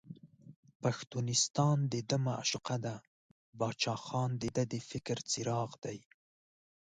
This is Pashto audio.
پښتونستان دده معشوقه ده، باچا خان دده د فکر څراغ دی.